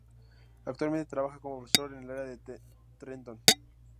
Actualmente trabaja como profesor en el área de Trenton.